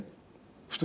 ２人。